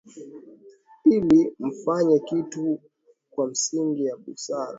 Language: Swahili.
ili mfanye kitu kwa misingi ya busara